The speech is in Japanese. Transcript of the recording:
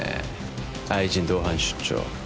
愛人同伴出張